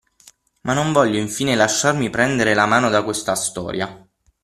ma non voglio infine lasciarmi prendere la mano da questa storia;